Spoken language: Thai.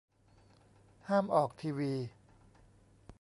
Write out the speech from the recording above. ห้ามออกทีวี